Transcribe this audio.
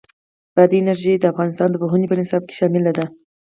بادي انرژي د افغانستان د پوهنې په نصاب کې شامل ده.